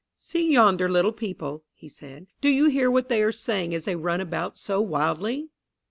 "See yonder little people," he said; "do you hear what they are saying as they run about so wildly?